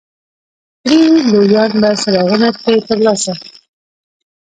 کړي لویان به څراغونه ترې ترلاسه